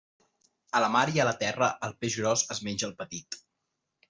A la mar i a la terra, el peix gros es menja el petit.